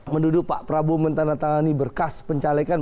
menuduh pak prabowo mentandatangani berkas pencalekan